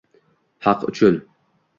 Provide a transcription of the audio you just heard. Haq uchun